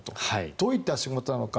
どういった仕事なのか